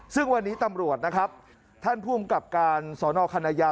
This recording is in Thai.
ซึ่งวันนี้ตำรวจนะครับท่านภูมิกับการสอนอคณะยา